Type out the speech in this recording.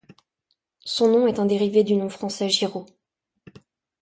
Son nom est un dérivé du nom français Giraud.